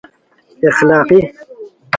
اخلاقی